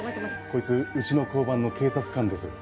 こいつうちの交番の警察官です。